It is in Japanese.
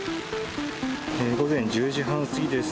午前１０時半過ぎです。